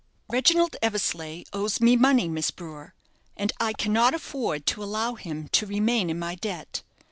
"Reginald Eversleigh owes me money, Miss Brewer, and I cannot afford to allow him to remain in my debt.